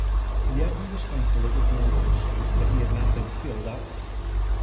"Yet he was thankful it was no worse that he had not been killed outright.